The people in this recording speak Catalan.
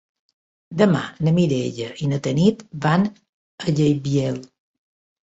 Demà na Mireia i na Tanit van a Gaibiel.